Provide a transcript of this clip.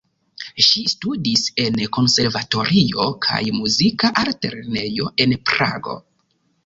Ŝi studis en konservatorio kaj Muzika altlernejo en Prago.